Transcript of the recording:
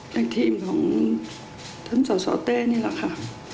ในทีมของท่านสสเต้นี่แหละค่ะ